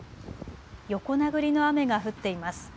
横殴りの雨が降っています。